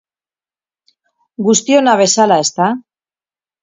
Guztiona bezala, ezta?